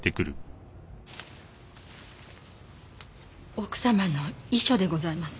奥様の遺書でございます。